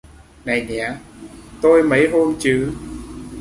Này nhé tôi mấy hôm chứ